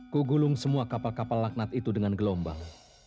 ku gulung semua kapal kapal laknat itu dengan gelombang